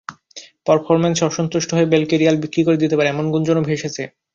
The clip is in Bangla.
পারফরম্যান্সে অসন্তুষ্ট হয়ে বেলকে রিয়াল বিক্রি করে দিতে পারে, এমন গুঞ্জনও ভেসেছে।